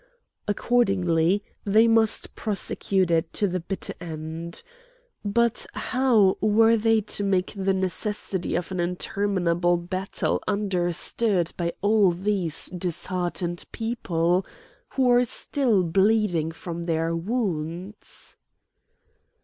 Accordingly they must prosecute it to the bitter end. But how were they to make the necessity of an interminable battle understood by all these disheartened people, who were still bleeding from their wounds.